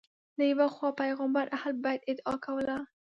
له یوې خوا پیغمبر اهل بیت ادعا کوله